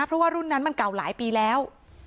เพราะว่ารุ่นนั้นมันเก่าหลายปีแล้ว